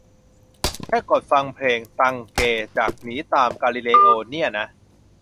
แค่กดฟังเพลง "ตังเก" จาก "หนีตามกาลิเลโอ" เนี่ยนะ